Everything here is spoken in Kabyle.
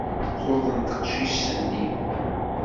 Tuḍen teqcict-nni.